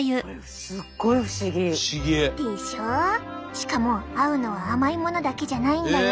しかも合うのは甘いものだけじゃないんだよ。